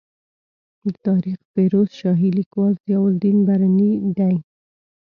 د تاریخ فیروز شاهي لیکوال ضیا الدین برني دی.